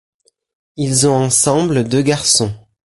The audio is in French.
Ils ont ensemble deux garçons.